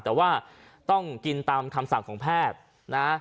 แต่ว่าต้องกินตามคำสั่งของแพทย์นะ